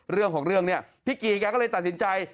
เรื่องของเรื่องเนี่ยพี่กีแกก็เลยตัดสินใจ